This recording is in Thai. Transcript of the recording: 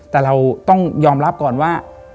แต่เราต้องยอมรับก่อนว่า